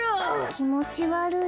きもちわるい。